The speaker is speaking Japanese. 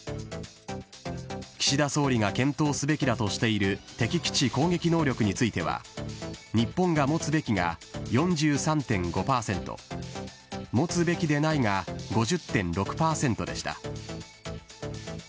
岸田総理が検討すべきだとしている敵基地攻撃能力については、日本が持つべきが４３．５％、持つべきでないが５０．６％でした。